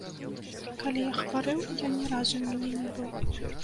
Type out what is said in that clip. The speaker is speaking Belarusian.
Калі я хварэў, ён ні разу ў мяне не быў.